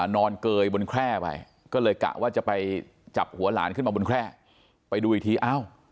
เกยบนแคร่ไปก็เลยกะว่าจะไปจับหัวหลานขึ้นมาบนแคร่ไปดูอีกทีอ้าว